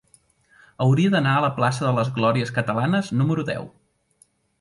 Hauria d'anar a la plaça de les Glòries Catalanes número deu.